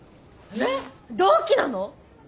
えっ同期なの？